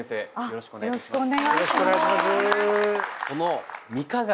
よろしくお願いします